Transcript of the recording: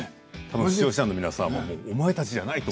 視聴者の皆さんもお前たちじゃないと。